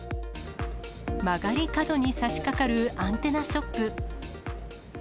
曲がり角にさしかかるアンテナショップ。